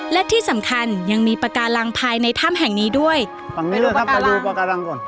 และที่สำคัญยังมีปะกาลังภายในถ้ำแห่งนี้ด้วยไปดูปะกาลัง